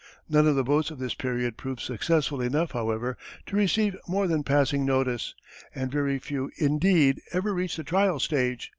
None of the boats of this period proved successful enough, however, to receive more than passing notice, and very few, indeed, ever reached the trial stage.